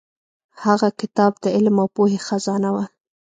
هغه کتاب د علم او پوهې خزانه وه.